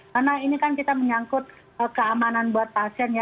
karena ini kan kita menyangkut keamanan buat pasien ya